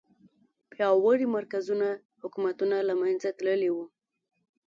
پیاوړي مرکزي حکومتونه له منځه تللي وو.